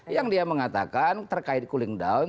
yang dia mengatakan terkait cooling down